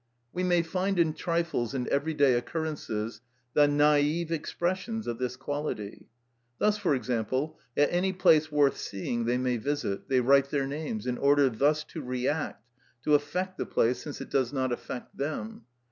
We may find in trifles and everyday occurrences the naïve expressions of this quality. Thus, for example, at any place worth seeing they may visit, they write their names, in order thus to react, to affect the place since it does not affect them.